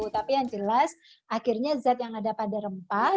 tapi yang jelas akhirnya zat yang ada pada rempah